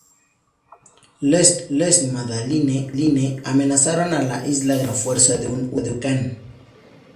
Lester y Madeline amenazaron a la Isla Grande con la fuerza de un huracán.